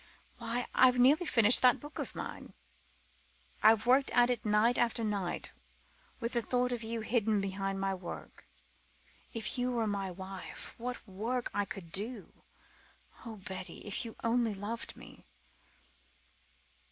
Why, I've nearly finished that book of mine. I've worked at it night after night with the thought of you hidden behind the work. If you were my wife, what work I could do! Oh, Betty, if you only loved me!"